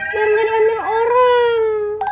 baru gak diambil orang